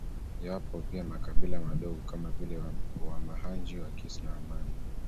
Yapo pia makabila madogo kama vile Wamahanji Wakisi na Wamanda